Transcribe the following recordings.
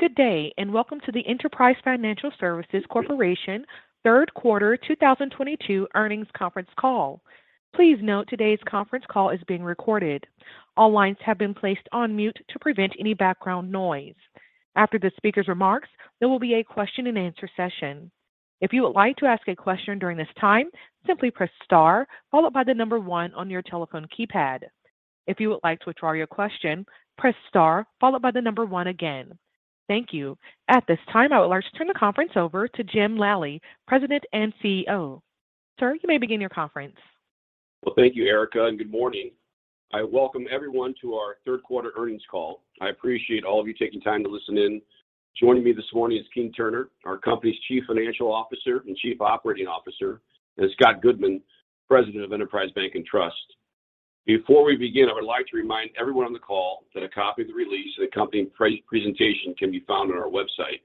Good day, and welcome to the Enterprise Financial Services Corp third quarter 2022 earnings conference call. Please note today's conference call is being recorded. All lines have been placed on mute to prevent any background noise. After the speaker's remarks, there will be a question-and-answer session. If you would like to ask a question during this time, simply press star followed by the number one on your telephone keypad. If you would like to withdraw your question, press star followed by the number one again. Thank you. At this time, I would like to turn the conference over to Jim Lally, President and CEO. Sir, you may begin your conference. Well, thank you, Erica, and good morning. I welcome everyone to our third quarter earnings call. I appreciate all of you taking time to listen in. Joining me this morning is Keene Turner, our company's Chief Financial Officer and Chief Operating Officer, and Scott Goodman, President of Enterprise Bank & Trust. Before we begin, I would like to remind everyone on the call that a copy of the release and accompanying presentation can be found on our website.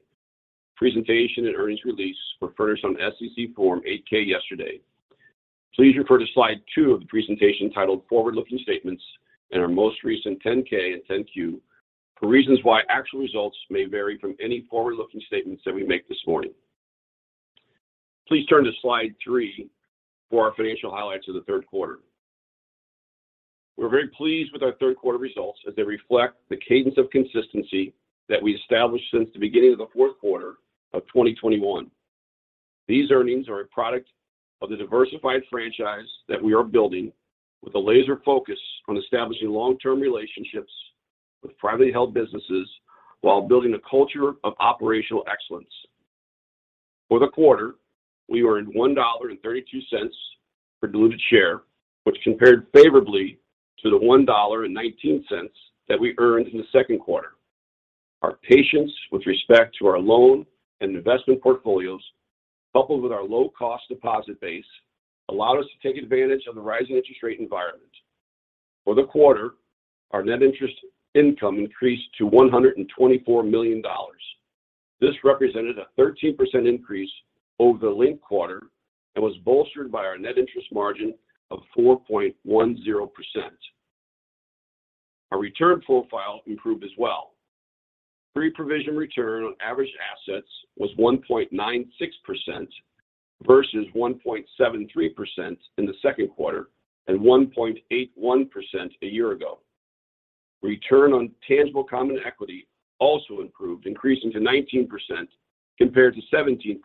Presentation and earnings release were furnished on SEC Form 8-K yesterday. Please refer to slide two of the presentation titled Forward-Looking Statements and our most recent 10-K and 10-Q for reasons why actual results may vary from any forward-looking statements that we make this morning. Please turn to slide three for our financial highlights of the third quarter. We're very pleased with our third quarter results as they reflect the cadence of consistency that we established since the beginning of the fourth quarter of 2021. These earnings are a product of the diversified franchise that we are building with a laser focus on establishing long-term relationships with privately held businesses while building a culture of operational excellence. For the quarter, we earned $1.32 per diluted share, which compared favorably to the $1.19 that we earned in the second quarter. Our patience with respect to our loan and investment portfolios, coupled with our low-cost deposit base, allowed us to take advantage of the rising interest rate environment. For the quarter, our net interest income increased to $124 million. This represented a 13% increase over the linked quarter and was bolstered by our net interest margin of 4.10%. Our return profile improved as well. Pre-provision return on average assets was 1.96% versus 1.73% in the second quarter and 1.81% a year ago. Return on tangible common equity also improved, increasing to 19% compared to 17%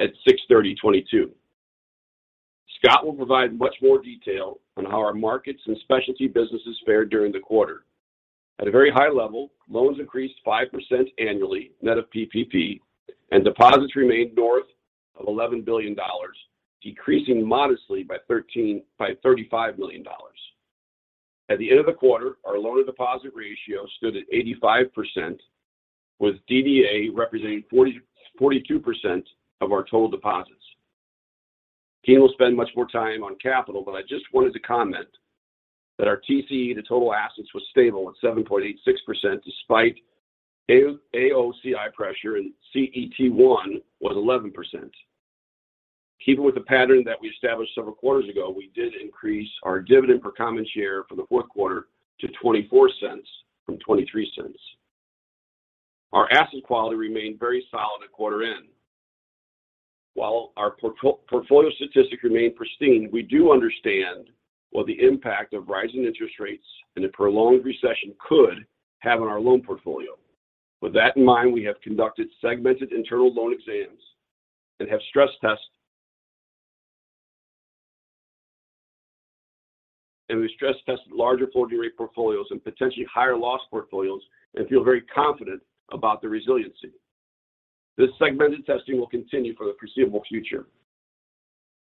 at 6/30/2022. Scott will provide much more detail on how our markets and specialty businesses fared during the quarter. At a very high level, loans increased 5% annually, net of PPP, and deposits remained north of $11 billion, decreasing modestly by $35 million. At the end of the quarter, our loan-to-deposit ratio stood at 85%, with DDA representing 42% of our total deposits. Keene will spend much more time on capital, but I just wanted to comment that our TCE to total assets was stable at 7.86% despite AOCI pressure and CET1 was 11%. Keeping with the pattern that we established several quarters ago, we did increase our dividend per common share for the fourth quarter to $0.24 from $0.23. Our asset quality remained very solid at quarter end. While our portfolio statistics remain pristine, we do understand what the impact of rising interest rates and a prolonged recession could have on our loan portfolio. With that in mind, we have conducted segmented internal loan exams and have stress-tested larger floating rate portfolios and potentially higher loss portfolios and feel very confident about the resiliency. This segmented testing will continue for the foreseeable future.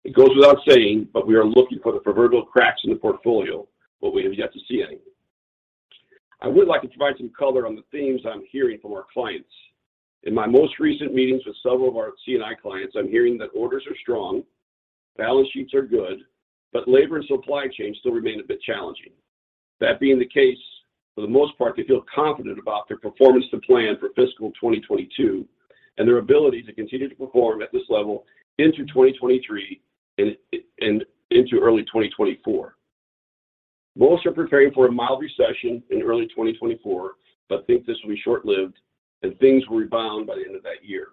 It goes without saying, but we are looking for the proverbial cracks in the portfolio, but we have yet to see any. I would like to provide some color on the themes I'm hearing from our clients. In my most recent meetings with several of our C&I clients, I'm hearing that orders are strong, balance sheets are good, but labor and supply chain still remain a bit challenging. That being the case, for the most part, they feel confident about their performance to plan for fiscal 2022 and their ability to continue to perform at this level into 2023 and into early 2024. Most are preparing for a mild recession in early 2024 but think this will be short-lived and things will rebound by the end of that year.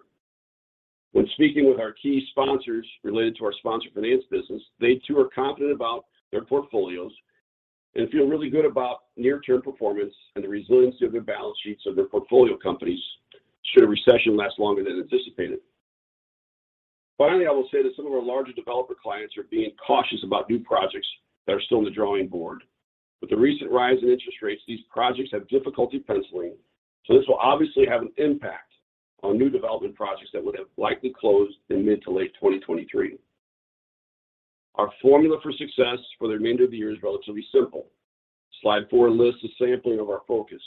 When speaking with our key sponsors related to our sponsor finance business, they too are confident about their portfolios and feel really good about near-term performance and the resiliency of the balance sheets of their portfolio companies should a recession last longer than anticipated. Finally, I will say that some of our larger developer clients are being cautious about new projects that are still in the drawing board. With the recent rise in interest rates, these projects have difficulty penciling, so this will obviously have an impact on new development projects that would have likely closed in mid- to late 2023. Our formula for success for the remainder of the year is relatively simple. Slide 4 lists a sampling of our focus.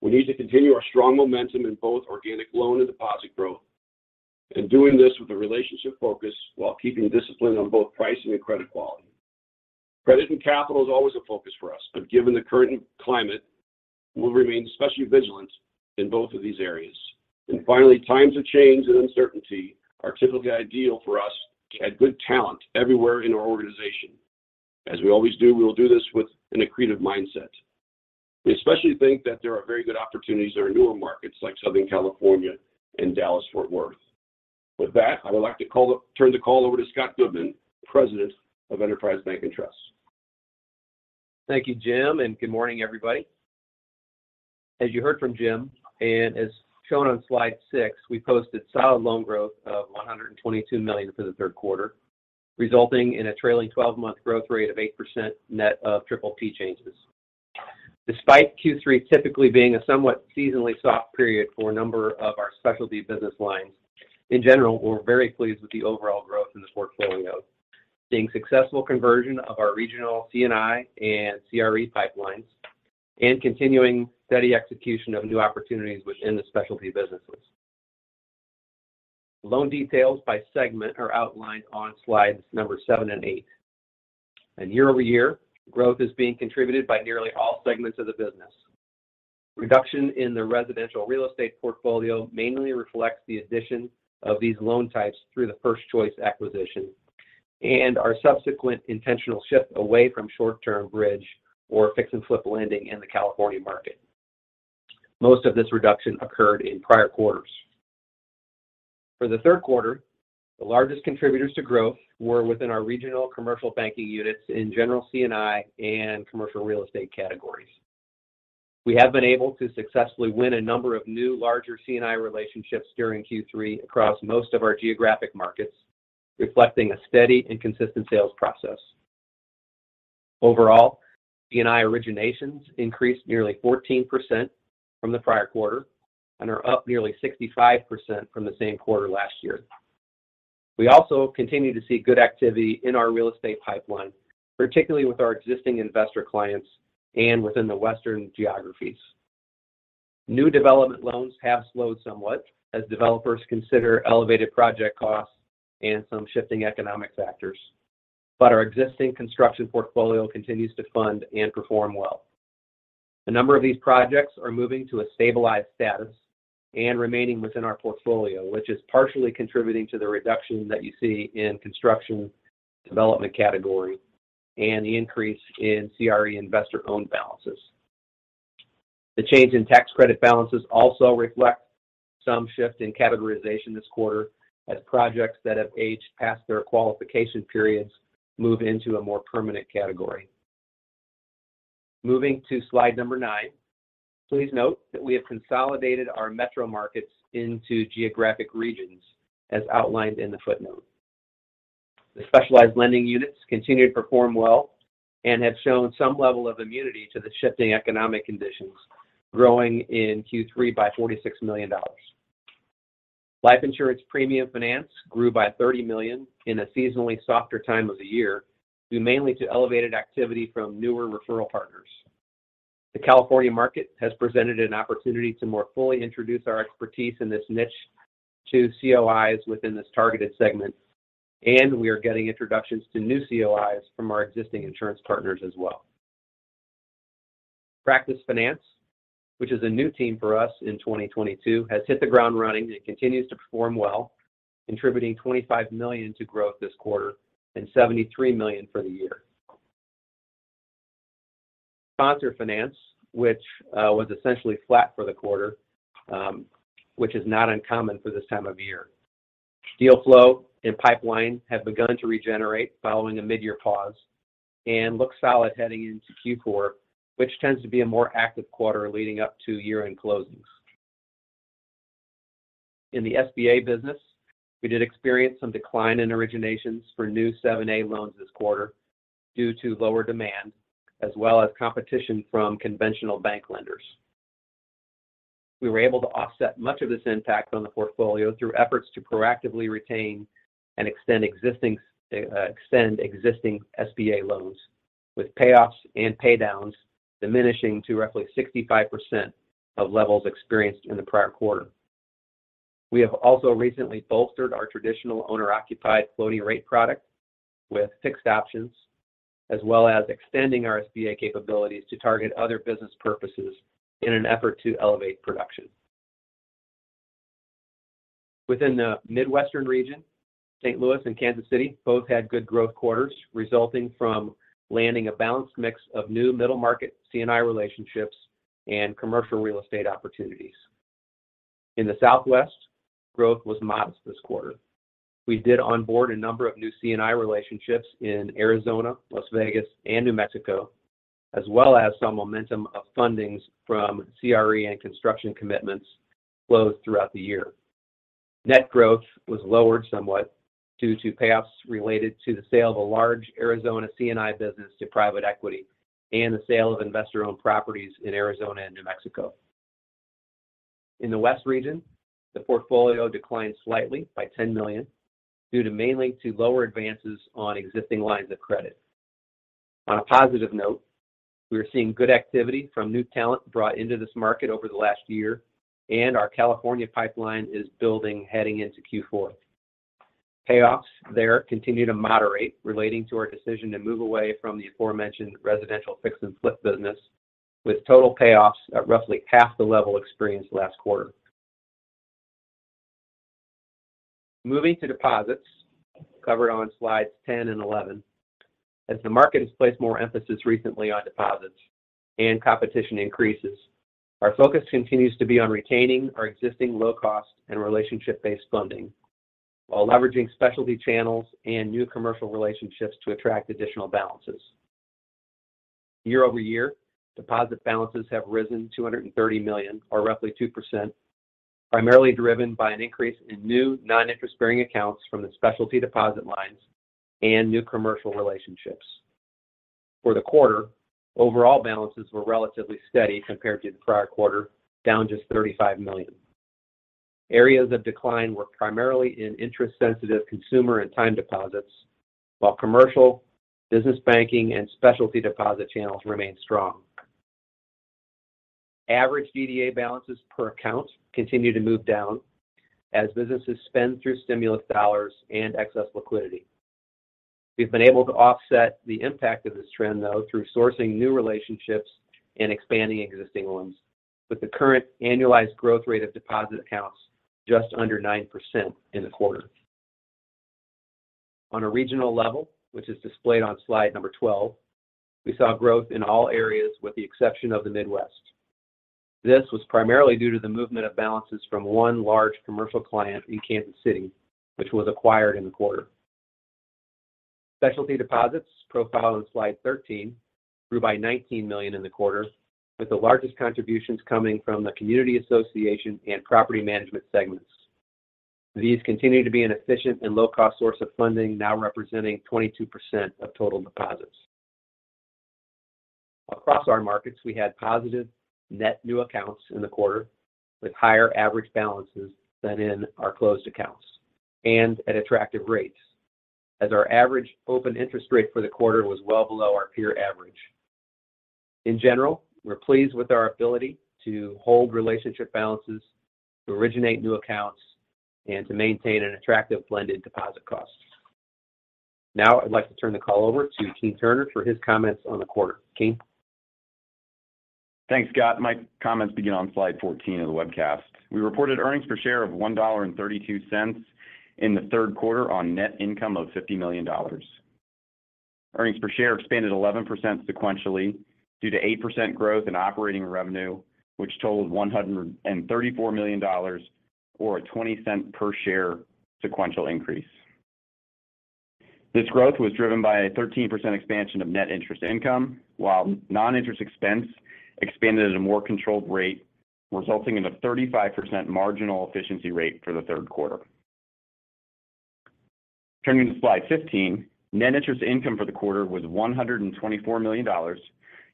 We need to continue our strong momentum in both organic loan and deposit growth, and doing this with a relationship focus while keeping discipline on both pricing and credit quality. Credit and capital is always a focus for us, but given the current climate, we'll remain especially vigilant in both of these areas. Finally, times of change and uncertainty are typically ideal for us to add good talent everywhere in our organization. As we always do, we will do this with an accretive mindset. We especially think that there are very good opportunities in our newer markets like Southern California and Dallas-Fort Worth. With that, I would like to turn the call over to Scott Goodman, President of Enterprise Bank & Trust. Thank you, Jim, and good morning, everybody. As you heard from Jim, and as shown on slide six, we posted solid loan growth of $122 million for the third quarter, resulting in a trailing twelve-month growth rate of 8% net of PPP changes. Despite Q3 typically being a somewhat seasonally soft period for a number of our specialty business lines, in general, we're very pleased with the overall growth in this portfolio, seeing successful conversion of our regional C&I and CRE pipelines and continuing steady execution of new opportunities within the specialty businesses. Loan details by segment are outlined on slides seven and eight. Year-over-year, growth is being contributed by nearly all segments of the business. Reduction in the residential real estate portfolio mainly reflects the addition of these loan types through the First Choice acquisition and our subsequent intentional shift away from short-term bridge or fix and flip lending in the California market. Most of this reduction occurred in prior quarters. For the third quarter, the largest contributors to growth were within our regional commercial banking units in general C&I and commercial real estate categories. We have been able to successfully win a number of new larger C&I relationships during Q3 across most of our geographic markets, reflecting a steady and consistent sales process. Overall, C&I originations increased nearly 14% from the prior quarter and are up nearly 65% from the same quarter last year. We also continue to see good activity in our real estate pipeline, particularly with our existing investor clients and within the Western geographies. New development loans have slowed somewhat as developers consider elevated project costs and some shifting economic factors, but our existing construction portfolio continues to fund and perform well. A number of these projects are moving to a stabilized status and remaining within our portfolio, which is partially contributing to the reduction that you see in construction development category and the increase in CRE investor-owned balances. The change in tax credit balances also reflect some shift in categorization this quarter as projects that have aged past their qualification periods move into a more permanent category. Moving to slide number nine, please note that we have consolidated our metro markets into geographic regions as outlined in the footnote. The specialized lending units continue to perform well and have shown some level of immunity to the shifting economic conditions, growing in Q3 by $46 million. Life insurance premium finance grew by $30 million in a seasonally softer time of the year, due mainly to elevated activity from newer referral partners. The California market has presented an opportunity to more fully introduce our expertise in this niche to COIs within this targeted segment, and we are getting introductions to new COIs from our existing insurance partners as well. Practice finance, which is a new team for us in 2022, has hit the ground running and continues to perform well, contributing $25 million to growth this quarter and $73 million for the year. Sponsor finance, which was essentially flat for the quarter, which is not uncommon for this time of the year. Deal flow and pipeline have begun to regenerate following a mid-year pause and look solid heading into Q4, which tends to be a more active quarter leading up to year-end closings. In the SBA business, we did experience some decline in originations for new 7(a) loans this quarter due to lower demand, as well as competition from conventional bank lenders. We were able to offset much of this impact on the portfolio through efforts to proactively retain and extend existing SBA loans, with payoffs and pay downs diminishing to roughly 65% of levels experienced in the prior quarter. We have also recently bolstered our traditional owner-occupied floating rate product with fixed options, as well as extending our SBA capabilities to target other business purposes in an effort to elevate production. Within the Midwestern region, St. Louis and Kansas City both had good growth quarters, resulting from landing a balanced mix of new middle market C&I relationships and commercial real estate opportunities. In the Southwest, growth was modest this quarter. We did onboard a number of new C&I relationships in Arizona, Las Vegas, and New Mexico, as well as some momentum of fundings from CRE and construction commitments closed throughout the year. Net growth was lowered somewhat due to payoffs related to the sale of a large Arizona C&I business to private equity and the sale of investor-owned properties in Arizona and New Mexico. In the West region, the portfolio declined slightly by $10 million due mainly to lower advances on existing lines of credit. On a positive note, we are seeing good activity from new talent brought into this market over the last year, and our California pipeline is building heading into Q4. Payoffs there continue to moderate relating to our decision to move away from the aforementioned residential fix and flip business with total payoffs at roughly half the level experienced last quarter. Moving to deposits covered on slides 10 and 11. As the market has placed more emphasis recently on deposits and competition increases, our focus continues to be on retaining our existing low-cost and relationship-based funding while leveraging specialty channels and new commercial relationships to attract additional balances. Year-over-year, deposit balances have risen $230 million or roughly 2%, primarily driven by an increase in new non-interest-bearing accounts from the specialty deposit lines and new commercial relationships. For the quarter, overall balances were relatively steady compared to the prior quarter, down just $35 million. Areas of decline were primarily in interest sensitive consumer and time deposits, while commercial, business banking and specialty deposit channels remained strong. Average DDA balances per account continue to move down as businesses spend through stimulus dollars and excess liquidity. We've been able to offset the impact of this trend, though, through sourcing new relationships and expanding existing ones with the current annualized growth rate of deposit accounts just under 9% in the quarter. On a regional level, which is displayed on slide 12, we saw growth in all areas with the exception of the Midwest. This was primarily due to the movement of balances from one large commercial client in Kansas City, which was acquired in the quarter. Specialty deposits profiled in slide 13 grew by $19 million in the quarter, with the largest contributions coming from the community association and property management segments. These continue to be an efficient and low-cost source of funding now representing 22% of total deposits. Across our markets, we had positive net new accounts in the quarter with higher average balances than in our closed accounts and at attractive rates. As our average open interest rate for the quarter was well below our peer average. In general, we're pleased with our ability to hold relationship balances, to originate new accounts, and to maintain an attractive blended deposit cost. Now I'd like to turn the call over to Keene Turner for his comments on the quarter. Keene? Thanks, Scott. My comments begin on slide 14 of the webcast. We reported earnings per share of $1.32 in the third quarter on net income of $50 million. Earnings per share expanded 11% sequentially due to 8% growth in operating revenue, which totaled $134 million or a $0.20 per share sequential increase. This growth was driven by a 13% expansion of net interest income, while non-interest expense expanded at a more controlled rate, resulting in a 35% marginal efficiency rate for the third quarter. Turning to slide 15, net interest income for the quarter was $124 million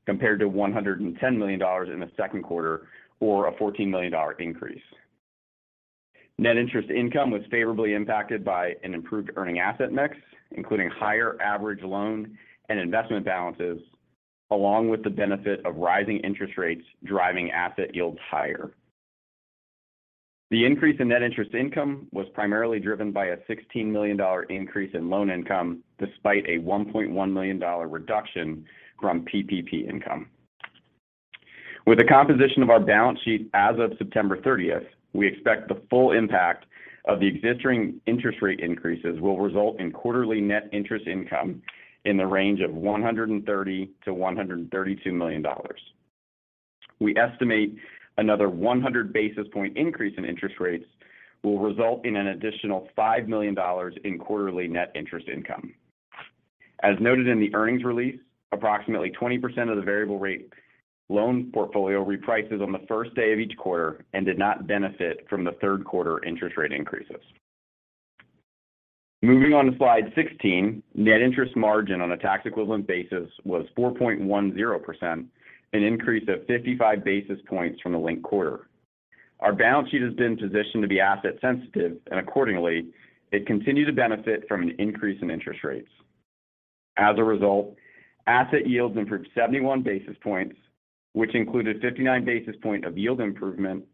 compared to $110 million in the second quarter, or a $14 million increase. Net interest income was favorably impacted by an improved earning asset mix, including higher average loan and investment balances, along with the benefit of rising interest rates driving asset yields higher. The increase in net interest income was primarily driven by a $16 million increase in loan income, despite a $1.1 million reduction from PPP income. With the composition of our balance sheet as of September 30, we expect the full impact of the existing interest rate increases will result in quarterly net interest income in the range of $130 million-$132 million. We estimate another 100 basis points increase in interest rates will result in an additional $5 million in quarterly net interest income. As noted in the earnings release, approximately 20% of the variable rate loan portfolio reprices on the first day of each quarter and did not benefit from the third quarter interest rate increases. Moving on to slide 16, net interest margin on a tax equivalent basis was 4.10%, an increase of 55 basis points from the linked quarter. Our balance sheet has been positioned to be asset sensitive and accordingly, it continued to benefit from an increase in interest rates. As a result, asset yields improved 71 basis points, which included 59 basis points of yield improvement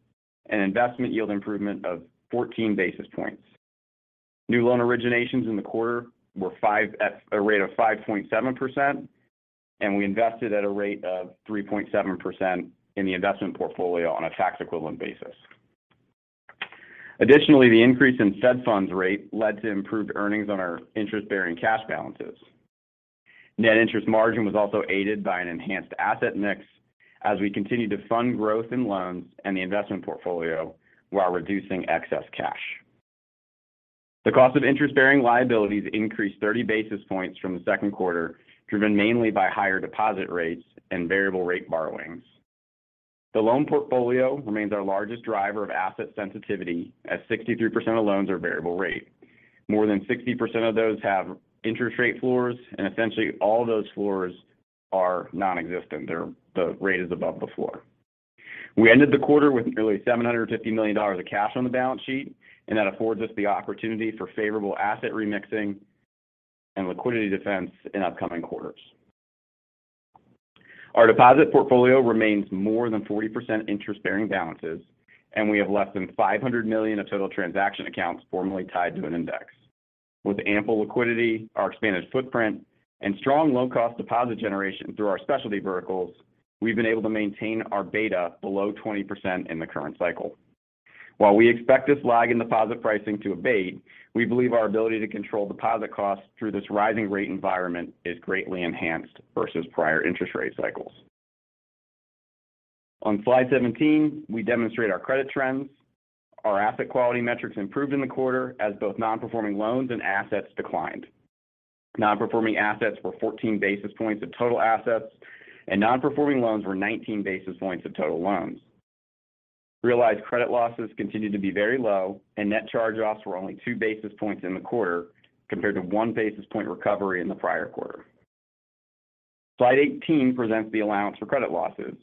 and investment yield improvement of 14 basis points. New loan originations in the quarter were at a rate of 5.7%, and we invested at a rate of 3.7% in the investment portfolio on a tax equivalent basis. Additionally, the increase in Fed funds rate led to improved earnings on our interest-bearing cash balances. Net interest margin was also aided by an enhanced asset mix as we continued to fund growth in loans and the investment portfolio while reducing excess cash. The cost of interest-bearing liabilities increased 30 basis points from the second quarter, driven mainly by higher deposit rates and variable rate borrowings. The loan portfolio remains our largest driver of asset sensitivity as 63% of loans are variable rate. More than 60% of those have interest rate floors, and essentially all those floors are non-existent. The rate is above the floor. We ended the quarter with nearly $750 million of cash on the balance sheet, and that affords us the opportunity for favorable asset remixing and liquidity defense in upcoming quarters. Our deposit portfolio remains more than 40% interest-bearing balances, and we have less than $500 million of total transaction accounts formally tied to an index. With ample liquidity, our expanded footprint, and strong low-cost deposit generation through our specialty verticals, we've been able to maintain our beta below 20% in the current cycle. While we expect this lag in deposit pricing to abate, we believe our ability to control deposit costs through this rising rate environment is greatly enhanced versus prior interest rate cycles. On slide 17, we demonstrate our credit trends. Our asset quality metrics improved in the quarter as both non-performing loans and assets declined. Non-performing assets were 14 basis points of total assets, and non-performing loans were 19 basis points of total loans. Realized credit losses continued to be very low, and net charge-offs were only two basis points in the quarter, compared to one basis point recovery in the prior quarter. Slide 18 presents the allowance for credit losses.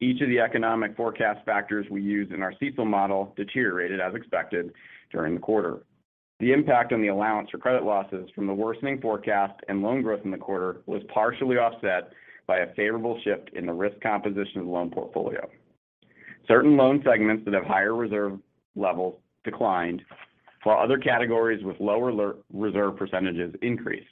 Each of the economic forecast factors we use in our CECL model deteriorated as expected during the quarter. The impact on the allowance for credit losses from the worsening forecast and loan growth in the quarter was partially offset by a favorable shift in the risk composition of the loan portfolio. Certain loan segments that have higher reserve levels declined, while other categories with lower reserve percentages increased.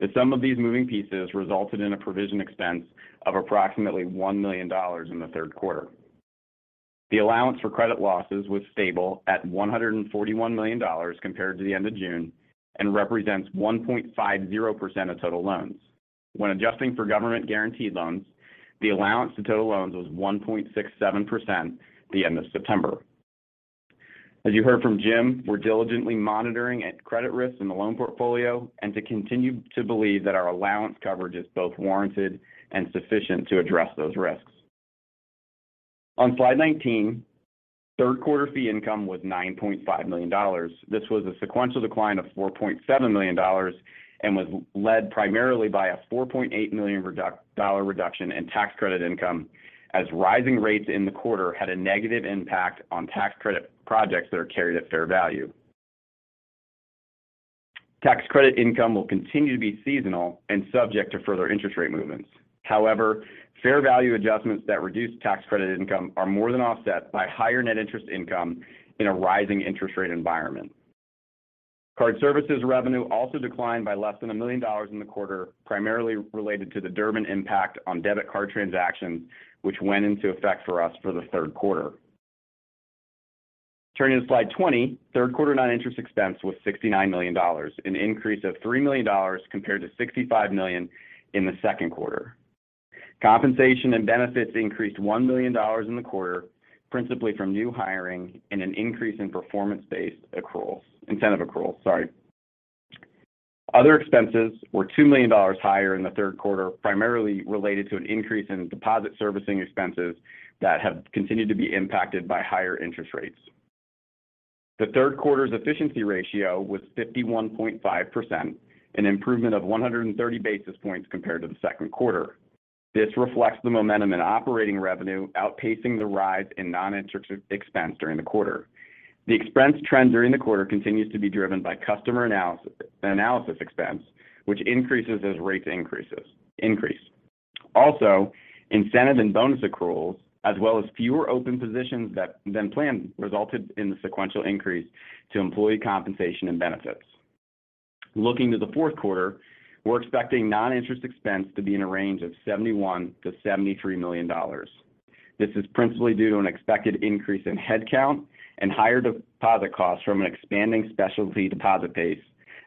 The sum of these moving pieces resulted in a provision expense of approximately $1 million in the third quarter. The allowance for credit losses was stable at $141 million compared to the end of June and represents 1.50% of total loans. When adjusting for government-guaranteed loans, the allowance to total loans was 1.67% at the end of September. As you heard from Jim, we're diligently monitoring our credit risks in the loan portfolio and we continue to believe that our allowance coverage is both warranted and sufficient to address those risks. On slide 19, third quarter fee income was $9.5 million. This was a sequential decline of $4.7 million and was led primarily by a $4.8 million reduction in tax credit income as rising rates in the quarter had a negative impact on tax credit projects that are carried at fair value. Tax credit income will continue to be seasonal and subject to further interest rate movements. However, fair value adjustments that reduce tax credit income are more than offset by higher net interest income in a rising interest rate environment. Card services revenue also declined by less than $1 million in the quarter, primarily related to the Durbin impact on debit card transactions, which went into effect for us for the third quarter. Turning to slide 20, third quarter non-interest expense was $69 million, an increase of $3 million compared to $65 million in the second quarter. Compensation and benefits increased $1 million in the quarter, principally from new hiring and an increase in performance-based incentive accruals. Other expenses were $2 million higher in the third quarter, primarily related to an increase in deposit servicing expenses that have continued to be impacted by higher interest rates. The third quarter's efficiency ratio was 51.5%, an improvement of 130 basis points compared to the second quarter. This reflects the momentum in operating revenue outpacing the rise in non-interest expense during the quarter. The expense trend during the quarter continues to be driven by customer analysis expense, which increases as rates increase. Also, incentive and bonus accruals, as well as fewer open positions than planned, resulted in the sequential increase to employee compensation and benefits. Looking to the fourth quarter, we're expecting non-interest expense to be in a range of $71 million-$73 million. This is principally due to an expected increase in head count and higher deposit costs from an expanding specialty deposit base,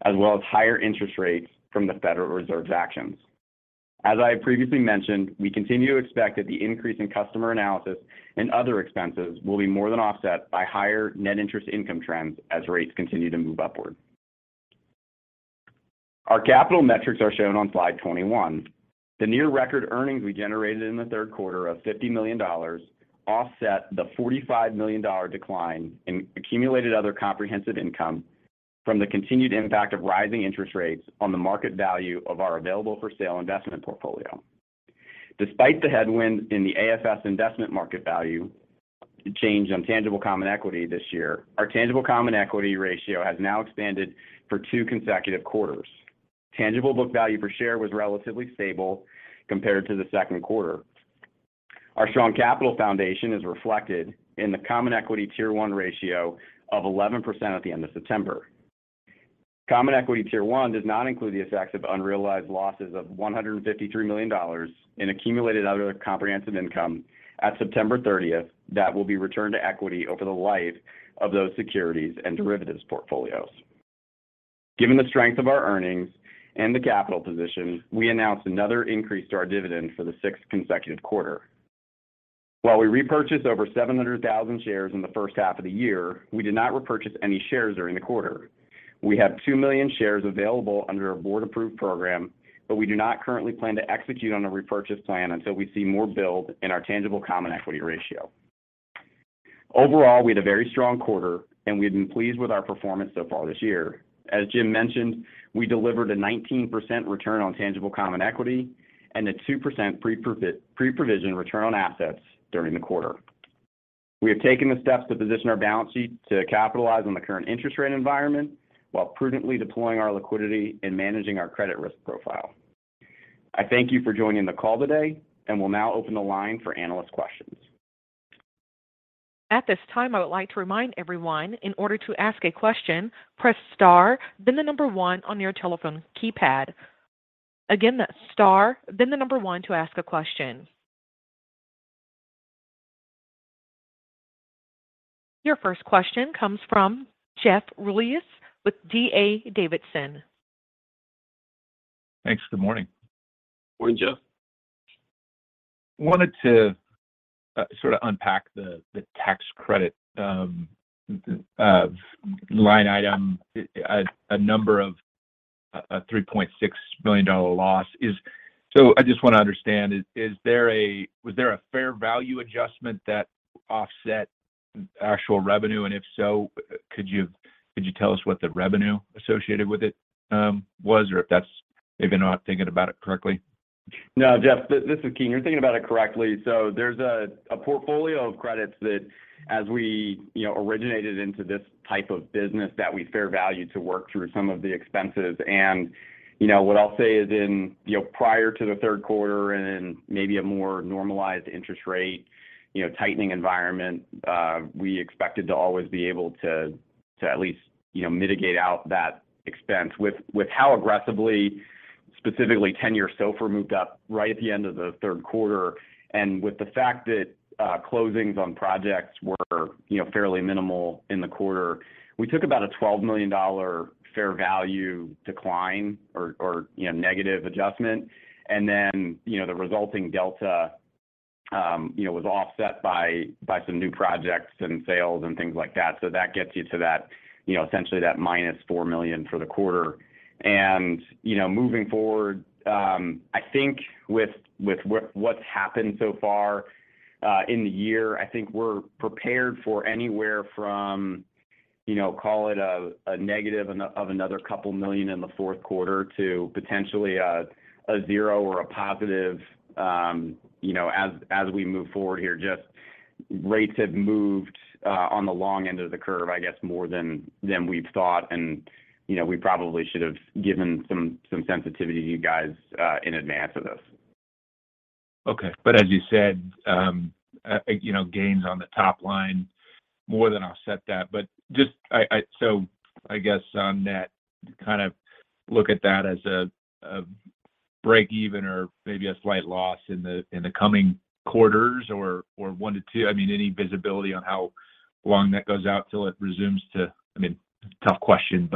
as well as higher interest rates from the Federal Reserve's actions. As I have previously mentioned, we continue to expect that the increase in customer analysis and other expenses will be more than offset by higher net interest income trends as rates continue to move upward. Our capital metrics are shown on slide 21. The near record earnings we generated in the third quarter of $50 million offset the $45 million dollar decline in accumulated other comprehensive income from the continued impact of rising interest rates on the market value of our available for sale investment portfolio. Despite the headwind in the AFS investment market value change on tangible common equity this year, our tangible common equity ratio has now expanded for two consecutive quarters. Tangible book value per share was relatively stable compared to the second quarter. Our strong capital foundation is reflected in the common equity tier one ratio of 11% at the end of September. Common equity tier one does not include the effects of unrealized losses of $153 million in accumulated other comprehensive income at September 30 that will be returned to equity over the life of those securities and derivatives portfolios. Given the strength of our earnings and the capital position, we announced another increase to our dividend for the sixth consecutive quarter. While we repurchased over 700,000 shares in the first half of the year, we did not repurchase any shares during the quarter. We have 2 million shares available under a board-approved program, but we do not currently plan to execute on a repurchase plan until we see more build in our tangible common equity ratio. Overall, we had a very strong quarter, and we have been pleased with our performance so far this year. As Jim mentioned, we delivered a 19% return on tangible common equity and a 2% preprovision return on assets during the quarter. We have taken the steps to position our balance sheet to capitalize on the current interest rate environment while prudently deploying our liquidity and managing our credit risk profile. I thank you for joining the call today and will now open the line for analyst questions. At this time, I would like to remind everyone in order to ask a question, press star, then one on your telephone keypad. Again, that's star, then one to ask a question. Your first question comes from Jeff Rulis with D.A. Davidson. Thanks. Good morning. Morning, Jeff. Wanted to sort of unpack the tax credit line item. A number of a $3.6 million loss is. I just want to understand. Was there a fair value adjustment that offset actual revenue? And if so, could you tell us what the revenue associated with it was? Or if that's. Maybe I'm not thinking about it correctly. No, Jeff, this is Keene. You're thinking about it correctly. There's a portfolio of credits that as we originated into this type of business that we fair value to work through some of the expenses. You know, what I'll say is in prior to the third quarter and maybe a more normalized interest rate tightening environment, we expected to always be able to at least mitigate out that expense. With how aggressively, specifically 10-year SOFR moved up right at the end of the third quarter and with the fact that closings on projects were fairly minimal in the quarter, we took about a $12 million fair value decline or negative adjustment. You know, the resulting delta was offset by some new projects and sales and things like that. That gets you to essentially that minus $4 million for the quarter. You know, moving forward, I think with what's happened so far in the year, I think we're prepared for anywhere from, you know, call it a negative of another $2 million in the fourth quarter to potentially a zero or a positive, you know, as we move forward here. Just rates have moved on the long end of the curve, I guess more than we've thought. You know, we probably should have given some sensitivity to you guys in advance of this. Okay. As you said, you know, gains on the top line more than offset that. Just, I guess on net, kind of look at that as a break-even or maybe a slight loss in the coming quarters or one to two. I mean, any visibility on how long that goes out till it resumes to I mean, tough question,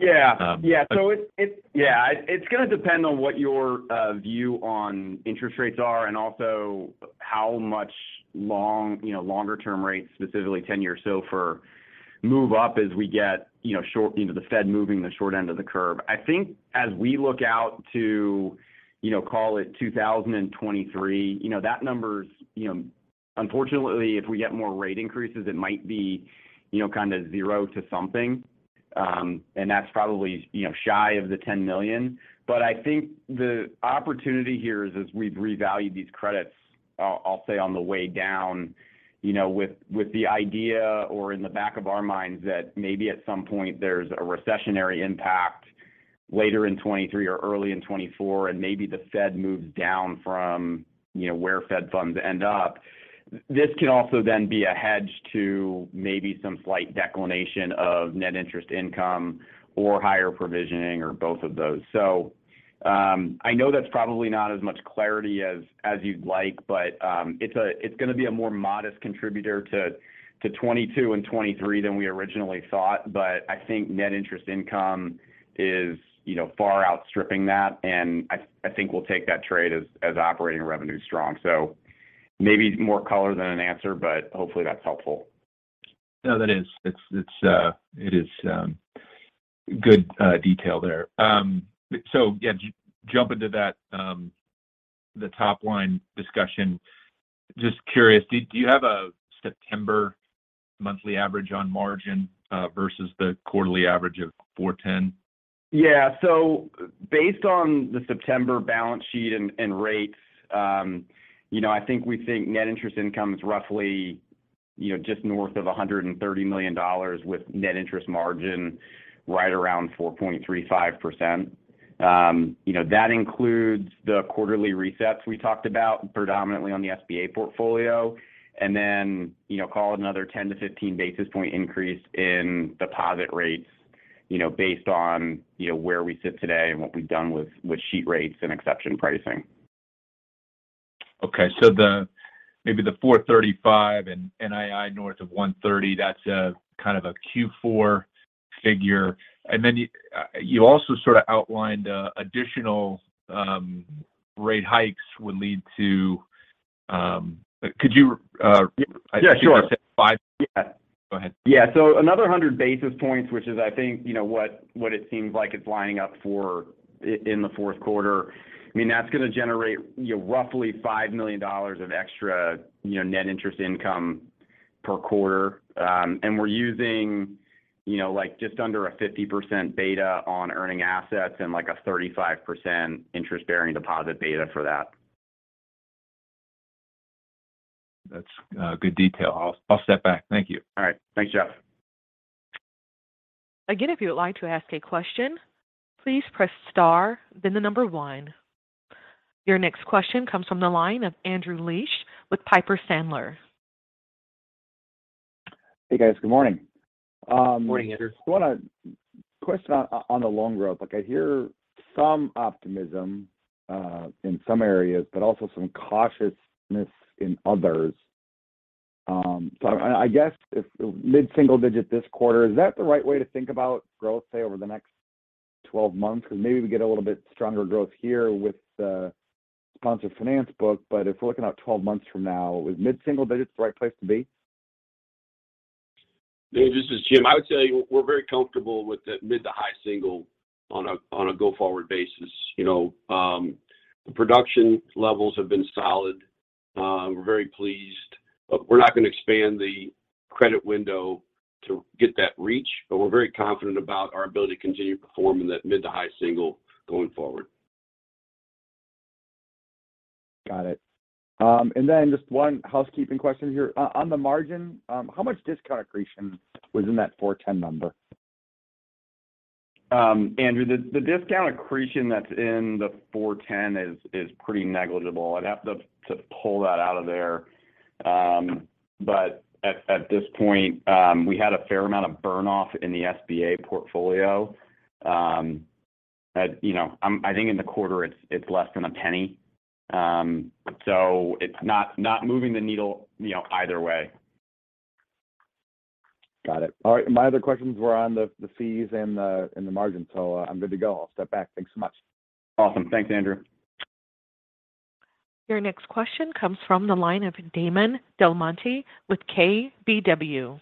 but Yeah. Um, but- It's gonna depend on what your view on interest rates are and also how much longer-term rates, specifically 10-year SOFR, move up as we get the Fed moving the short end of the curve. I think as we look out to, call it 2023, that number's unfortunately if we get more rate increases, it might be kind of 0 to something. That's probably shy of the $10 million. I think the opportunity here is as we've revalued these credits, I'll say on the way down, you know, with the idea or in the back of our minds that maybe at some point there's a recessionary impact later in 2023 or early in 2024, and maybe the Fed moves down from, you know, where Fed funds end up. This can also then be a hedge to maybe some slight decline of net interest income or higher provisioning or both of those. I know that's probably not as much clarity as you'd like, but it's gonna be a more modest contributor to 2022 and 2023 than we originally thought. I think net interest income is, you know, far outstripping that, and I think we'll take that trade as operating revenue strong. Maybe more color than an answer, but hopefully that's helpful. No, that is. It's good detail there. Yeah, jump into that, the top line discussion. Just curious, do you have a September monthly average on margin versus the quarterly average of 4.10%? Yeah. Based on the September balance sheet and rates, you know, I think we think net interest income is roughly, you know, just north of $130 million with net interest margin right around 4.35%. You know, that includes the quarterly resets we talked about predominantly on the SBA portfolio. Then, you know, call it another 10-15 basis point increase in deposit rates, you know, based on, you know, where we sit today and what we've done with sheet rates and exception pricing. Okay. Maybe the $435 and NII north of $130, that's a kind of a Q4 figure. You also sort of outlined additional rate hikes would lead to. Could you. Yeah. Sure I think you said five. Yeah. Go ahead. Yeah. Another 100 basis points, which is, I think, you know, what it seems like it's lining up for in the fourth quarter. I mean, that's gonna generate, you know, roughly $5 million of extra, you know, net interest income per quarter. We're using, you know, like just under a 50% beta on earning assets and like a 35% interest-bearing deposit beta for that. That's good detail. I'll step back. Thank you. All right. Thanks, Jeff. Again, if you would like to ask a question, please press star, then the number one. Your next question comes from the line of Andrew Liesch with Piper Sandler. Hey, guys. Good morning. Morning, Andrew. Just wanna question on the loan growth. Like I hear some optimism in some areas, but also some cautiousness in others. I guess if mid-single digit this quarter, is that the right way to think about growth, say over the next 12 months? 'Cause maybe we get a little bit stronger growth here with the sponsor finance book, but if we're looking out 12 months from now, is mid-single digits the right place to be? This is Jim. I would say we're very comfortable with the mid- to high-single on a go-forward basis. You know, the production levels have been solid. We're very pleased. We're not gonna expand the credit window to get that reach, but we're very confident about our ability to continue performing that mid- to high-single going forward. Got it. Just one housekeeping question here. On the margin, how much discount accretion was in that 4.10 number? Andrew, the discount accretion that's in the 410 is pretty negligible. I'd have to pull that out of there. At this point, we had a fair amount of burn off in the SBA portfolio, that you know, I think in the quarter it's less than a penny. It's not moving the needle, you know, either way. Got it. All right. My other questions were on the fees and the margin, so, I'm good to go. I'll step back. Thanks so much. Awesome. Thanks, Andrew. Your next question comes from the line of Damon DelMonte with KBW.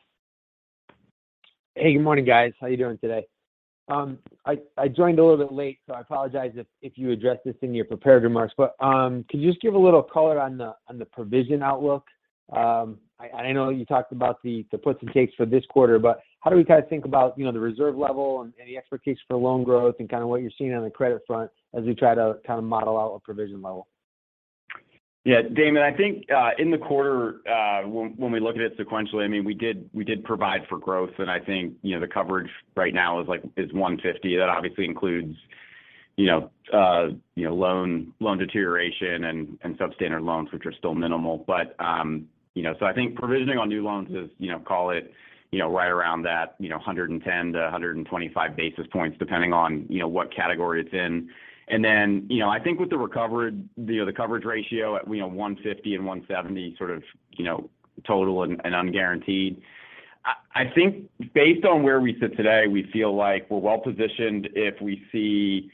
Hey, good morning, guys. How are you doing today? I joined a little bit late, so I apologize if you addressed this in your prepared remarks. Could you just give a little color on the provision outlook? I know you talked about the puts and takes for this quarter, but how do we kind of think about, you know, the reserve level and any expectation for loan growth and kind of what you're seeing on the credit front as we try to kind of model out a provision level? Yeah, Damon, I think in the quarter, when we look at it sequentially, I mean, we did provide for growth. I think you know the coverage right now is like 150%. That obviously includes you know loan deterioration and substandard loans, which are still minimal. I think provisioning on new loans is you know call it you know right around that you know 110-125 basis points, depending on you know what category it's in. I think with the recovery you know the coverage ratio at you know 150% and 170% sort of you know total and unguaranteed. I think based on where we sit today, we feel like we're well-positioned if we see,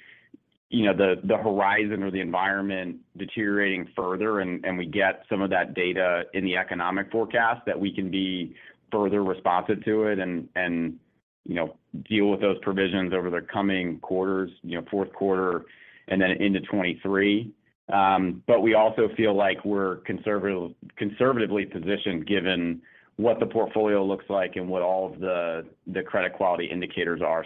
you know, the horizon or the environment deteriorating further and we get some of that data in the economic forecast that we can be further responsive to it and, you know, deal with those provisions over the coming quarters, you know, fourth quarter and then into 2023. We also feel like we're conservatively positioned given what the portfolio looks like and what all of the credit quality indicators are.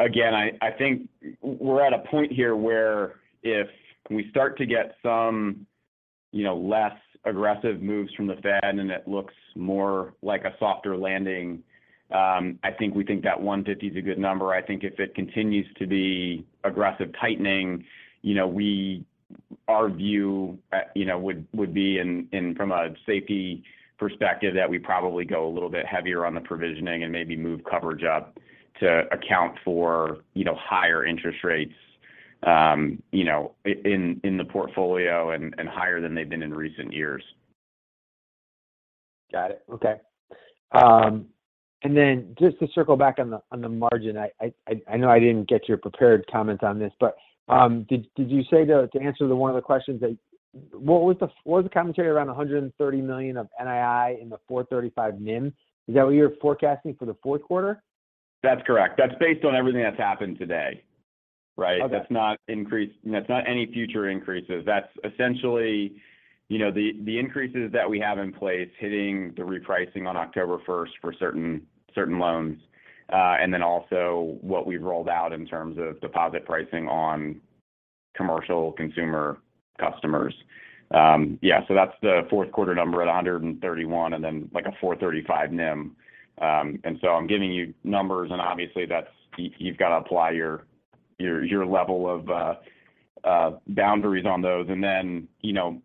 Again, I think we're at a point here where if we start to get some, you know, less aggressive moves from the Fed and it looks more like a softer landing, I think we think that 150 is a good number. I think if it continues to be aggressive tightening, you know, our view would be in from a safety perspective that we probably go a little bit heavier on the provisioning and maybe move coverage up to account for, you know, higher interest rates, you know, in the portfolio and higher than they've been in recent years. Got it. Okay. Just to circle back on the margin, I know I didn't get your prepared comments on this, but did you say, to answer one of the questions, what was the commentary around $130 million of NII in the 4.35% NIM? Is that what you're forecasting for the fourth quarter? That's correct. That's based on everything that's happened today, right? Okay. That's not any future increases. That's essentially, you know, the increases that we have in place hitting the repricing on October first for certain loans, and then also what we've rolled out in terms of deposit pricing on commercial and consumer customers. That's the fourth quarter number at $131 million and then like a 4.35% NIM. I'm giving you numbers, and obviously that's you've got to apply your level of boundaries on those. Then, you know,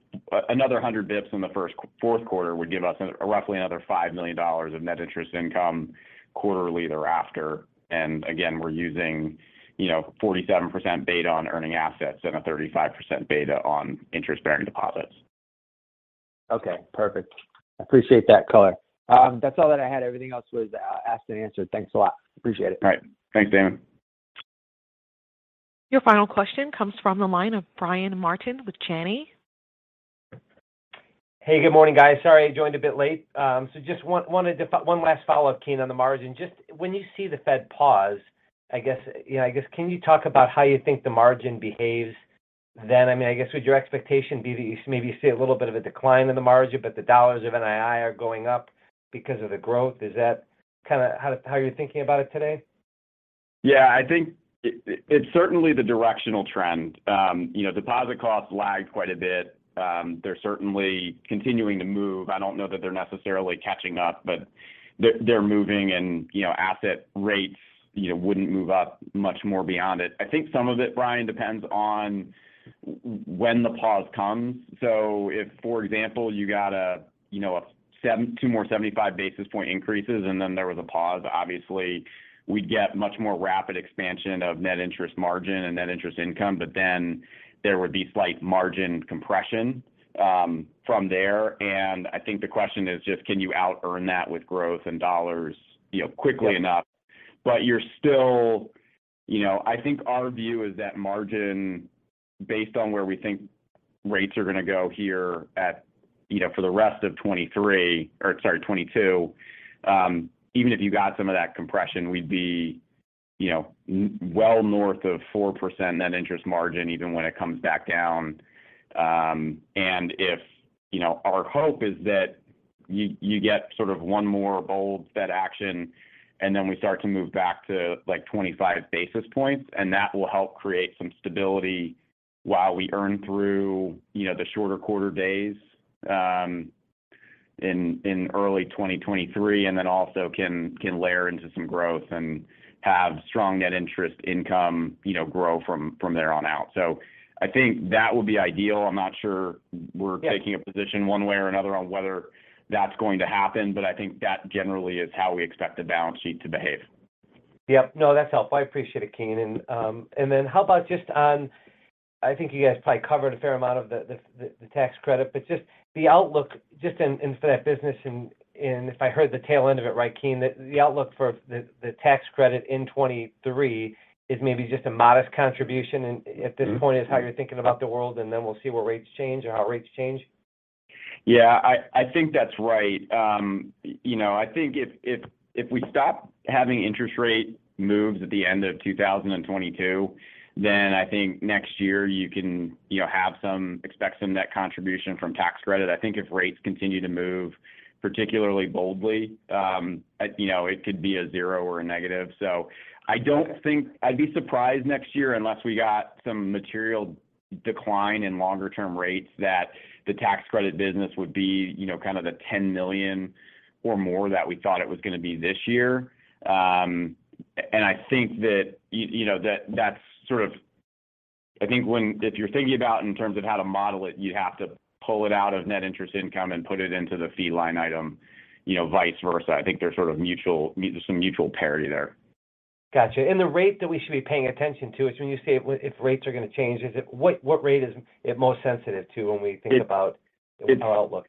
another 100 basis points in the fourth quarter would give us roughly another $5 million of net interest income quarterly thereafter. Again, we're using, you know, 47% beta on earning assets and a 35% beta on interest-bearing deposits. Okay, perfect. Appreciate that color. That's all that I had. Everything else was asked and answered. Thanks a lot. Appreciate it. All right. Thanks, Damon. Your final question comes from the line of Brian Martin with Janney. Hey, good morning, guys. Sorry I joined a bit late. Just one last follow-up, Keene, on the margin. Just when you see the Fed pause, I guess, you know, I guess, can you talk about how you think the margin behaves then? I mean, I guess, would your expectation be that you maybe see a little bit of a decline in the margin, but the dollars of NII are going up because of the growth? Is that kinda how you're thinking about it today? Yeah, I think it's certainly the directional trend. You know, deposit costs lagged quite a bit. They're certainly continuing to move. I don't know that they're necessarily catching up, but they're moving and, you know, asset rates, you know, wouldn't move up much more beyond it. I think some of it, Brian, depends on when the pause comes. If, for example, you got, you know, two more 75 basis point increases, and then there was a pause, obviously we'd get much more rapid expansion of net interest margin and net interest income. Then there would be slight margin compression from there. I think the question is just can you out earn that with growth and dollars, you know, quickly enough? You're still, you know. I think our view is that margin based on where we think rates are gonna go here at, you know, for the rest of 2023 or sorry, 2022, even if you got some of that compression, we'd be, you know, well north of 4% net interest margin even when it comes back down. If, you know, our hope is that you get sort of one more bold Fed action, and then we start to move back to, like, 25 basis points, and that will help create some stability while we earn through, you know, the shorter quarter days, in early 2023, and then also can layer into some growth and have strong net interest income, you know, grow from there on out. I think that would be ideal. I'm not sure we're taking a position one way or another on whether that's going to happen, but I think that generally is how we expect the balance sheet to behave. Yep. No, that's helpful. I appreciate it, Keene. Then how about just on, I think you guys probably covered a fair amount of the tax credit, but just the outlook in for that business and if I heard the tail end of it right, Keene, the outlook for the tax credit in 2023 is maybe just a modest contribution and at this point is how you're thinking about the world, and then we'll see what rates change or how rates change. Yeah, I think that's right. You know, I think if we stop having interest rate moves at the end of 2022, then I think next year you can expect some net contribution from tax credit. I think if rates continue to move particularly boldly, you know, it could be a 0 or a negative. I don't think I'd be surprised next year unless we got some material decline in longer term rates that the tax credit business would be, you know, kind of the $10 million or more that we thought it was gonna be this year. I think that, you know, that's sort of. I think if you're thinking about in terms of how to model it, you'd have to pull it out of net interest income and put it into the fee line item, you know, vice versa. I think there's sort of some mutual parity there. Gotcha. The rate that we should be paying attention to is when you say if rates are gonna change, is it what rate is it most sensitive to when we think about our outlook?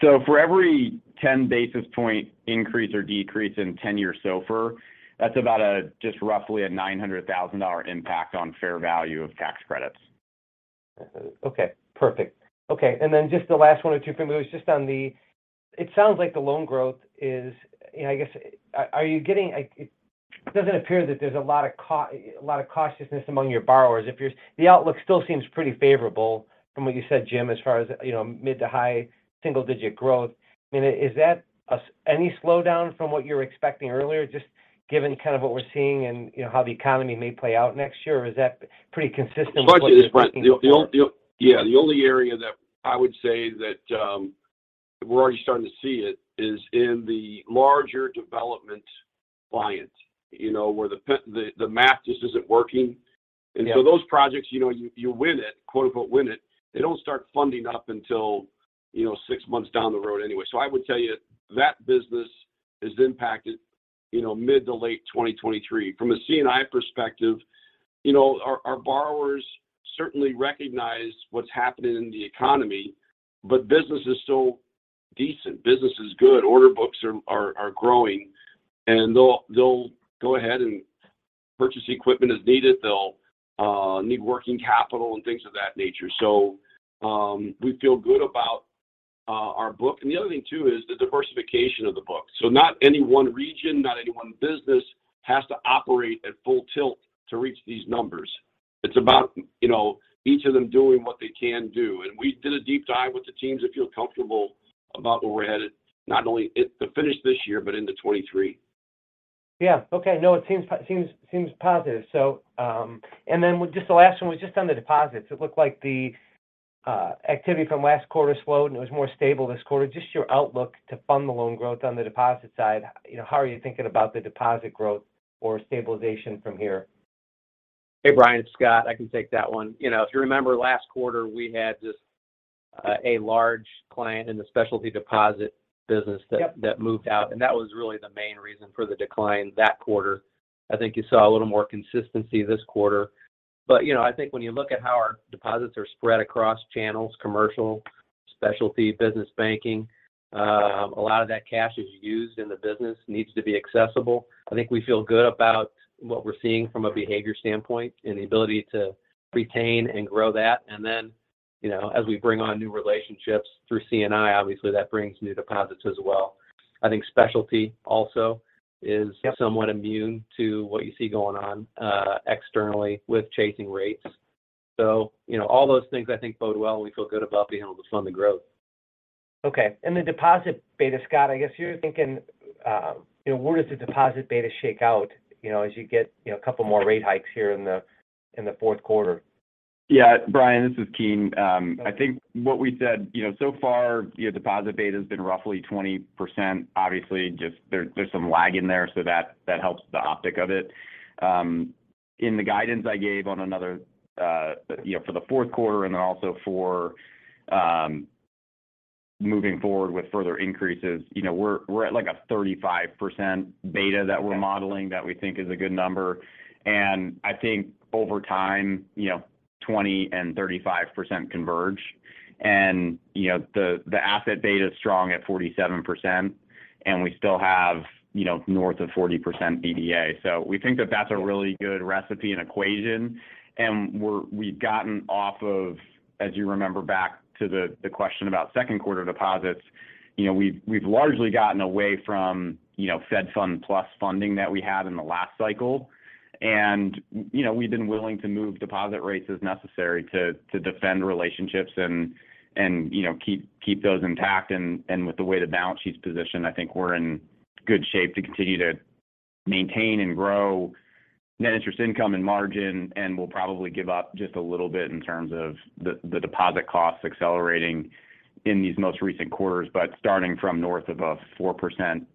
For every 10 basis points increase or decrease in 10-year SOFR, that's about just roughly a $900,000 impact on fair value of tax credits. Okay. Perfect. Okay. Just the last one or two for me. It sounds like the loan growth is, you know. It doesn't appear that there's a lot of cautiousness among your borrowers. The outlook still seems pretty favorable from what you said, Jim, as far as, you know, mid to high single digit growth. I mean, is that any slowdown from what you were expecting earlier just given kind of what we're seeing and you know, how the economy may play out next year? Or is that pretty consistent with what you're expecting for- The budget is right. Yeah, the only area that I would say that we're already starting to see it is in the larger development client, you know, where the math just isn't working. Yeah. Those projects, you know, you win it, quote-unquote "win it," they don't start funding up until, you know, six months down the road anyway. I would tell you that business is impacted, you know, mid- to late 2023. From a C&I perspective, you know, our borrowers certainly recognize what's happening in the economy, but business is still decent. Business is good. Order books are growing, and they'll go ahead and purchase equipment as needed. They'll need working capital and things of that nature. We feel good about our book. The other thing too is the diversification of the book. Not any one region, not any one business has to operate at full tilt to reach these numbers. It's about, you know, each of them doing what they can do. We did a deep dive with the teams and feel comfortable about where we're headed, not only at the finish this year, but into 2023. Yeah. Okay. No, it seems positive. Just the last one was just on the deposits. It looked like the activity from last quarter slowed, and it was more stable this quarter. Just your outlook to fund the loan growth on the deposit side, you know, how are you thinking about the deposit growth or stabilization from here? Hey, Brian, it's Scott. I can take that one. You know, if you remember last quarter, we had just a large client in the specialty deposit business. Yep That moved out, and that was really the main reason for the decline that quarter. I think you saw a little more consistency this quarter. You know, I think when you look at how our deposits are spread across channels, commercial, specialty, business banking, a lot of that cash is used in the business needs to be accessible. I think we feel good about what we're seeing from a behavior standpoint and the ability to retain and grow that. You know, as we bring on new relationships through C&I, obviously that brings new deposits as well. I think specialty also is somewhat immune to what you see going on externally with chasing rates. You know, all those things I think bode well, and we feel good about being able to fund the growth. Okay. The deposit beta, Scott, I guess you're thinking, you know, where does the deposit beta shake out, you know, as you get, you know, a couple more rate hikes here in the fourth quarter? Yeah, Brian, this is Keene. I think what we said, you know, so far, you know, deposit beta has been roughly 20%. Obviously, just there's some lag in there, so that helps the optic of it. In the guidance I gave on another, you know, for the fourth quarter and then also for moving forward with further increases. You know, we're at like a 35% beta that we're modeling that we think is a good number. I think over time, you know, 20% and 35% converge. You know, the asset beta is strong at 47%, and we still have, you know, north of 40% DDA. So we think that that's a really good recipe and equation. We're. We've gotten off of, as you remember back to the question about second quarter deposits. You know, we've largely gotten away from, you know, Fed funds plus funding that we had in the last cycle. You know, we've been willing to move deposit rates as necessary to defend relationships and, you know, keep those intact. With the way the balance sheet's positioned, I think we're in good shape to continue to maintain and grow net interest income and margin. We'll probably give up just a little bit in terms of the deposit costs accelerating in these most recent quarters, but starting from north of 4%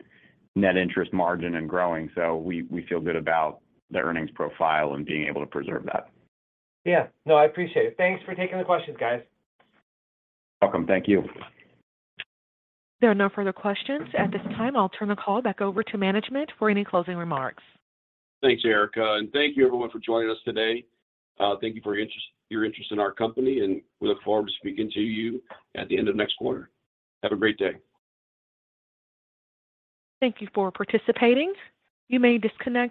net interest margin and growing. We feel good about the earnings profile and being able to preserve that. Yeah. No, I appreciate it. Thanks for taking the questions, guys. Welcome. Thank you. There are no further questions at this time. I'll turn the call back over to management for any closing remarks. Thanks, Erica, and thank you everyone for joining us today. Thank you for your interest in our company, and we look forward to speaking to you at the end of next quarter. Have a great day. Thank you for participating. You may disconnect.